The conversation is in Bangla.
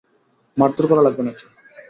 মারধর করা লাগবে নাকি?